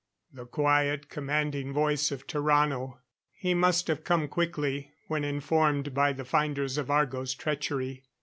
The quiet, commanding voice of Tarrano. He must have come quickly, when informed by the finders of Argo's treachery.